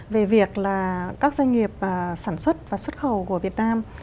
về việc là các doanh nghiệp sản xuất và xuất khẩu của việt nam